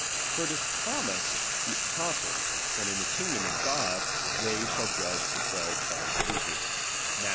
For it is promised the apostles, that in the kingdom of God they shall judge the twelve tribes of Israel, (Matth.